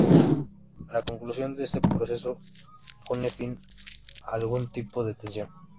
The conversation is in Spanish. La conclusión de este proceso pone fin a algún tipo de tensión.